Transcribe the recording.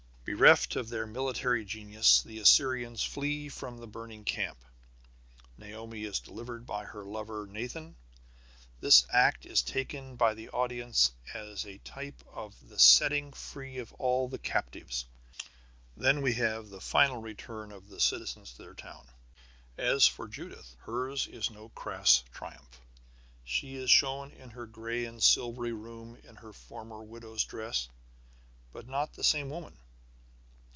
Bereft of their military genius, the Assyrians flee from the burning camp. Naomi is delivered by her lover Nathan. This act is taken by the audience as a type of the setting free of all the captives. Then we have the final return of the citizens to their town. As for Judith, hers is no crass triumph. She is shown in her gray and silvery room in her former widow's dress, but not the same woman.